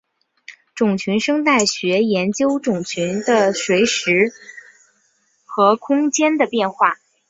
种群生态学研究种群的随时间和空间的变化。